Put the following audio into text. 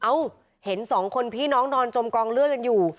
เห็นสองคนพี่น้องนอนจมกองเลือดกันอยู่